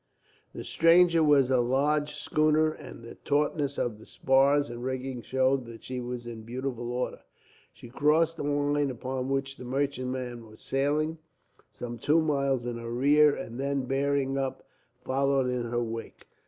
The stranger was a large schooner, and the tautness of the spars and rigging showed that she was in beautiful order. She crossed the line upon which the merchantman was sailing, some two miles in her rear; and then, bearing up, followed in her wake.